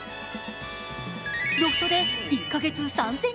ロフトで１カ月３０００